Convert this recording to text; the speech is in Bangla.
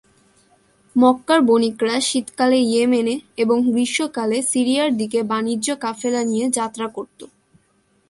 মক্কার বণিকরা শীতকালে ইয়েমেনে এবং গ্রীষ্মকালে সিরিয়ার দিকে বাণিজ্য কাফেলা নিয়ে যাত্রা করত।